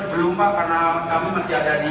belum pak karena kami masih ada di